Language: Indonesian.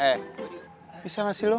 eh bisa gak sih lo